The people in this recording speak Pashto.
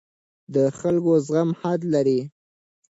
د خلکو زغم حد لري